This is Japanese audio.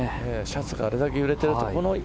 シャツがあれだけ揺れていると。